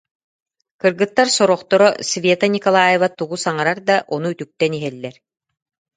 Кыргыттар сорохторо, Света Николаева тугу саҥарар да, ону үтүктэн иһэллэр